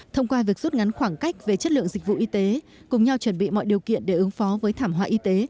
thông qua việc rút ngắn khoảng cách về chất lượng dịch vụ y tế cùng nhau chuẩn bị mọi điều kiện để ứng phó với thảm họa y tế